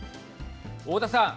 太田さん。